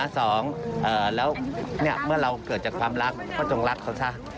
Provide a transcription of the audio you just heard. สองแล้วเมื่อเราเกิดจากความรักก็จงรักเขาซะ